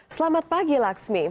selamat pagi laksmi